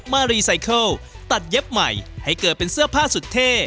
มารีไซเคิลตัดเย็บใหม่ให้เกิดเป็นเสื้อผ้าสุดเท่